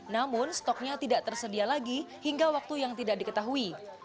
namun stoknya tidak tersedia lagi hingga waktu yang tidak diketahui